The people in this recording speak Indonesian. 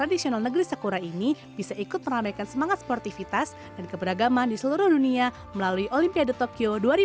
dan juga untuk mencari kemampuan untuk mencari kemampuan